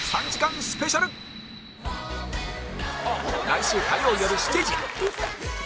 来週火曜よる７時